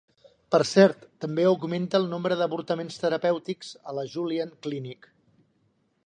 Per cert, també augmenta el nombre d'avortaments terapèutics a la Julian Clinic.